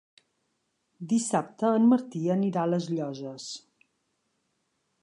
Dissabte en Martí anirà a les Llosses.